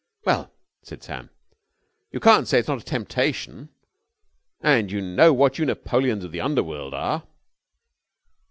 "Well," said Sam, "you can't say it's not a temptation. And you know what you Napoleons of the Underworld are!"